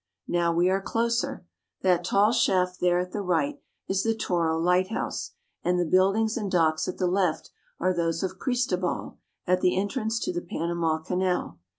Now we are closer. That tall shaft there at the right is the Toro Lighthouse, and the buildings and docks at the left are those of Cristobal, at the entrance to the Panama Canal.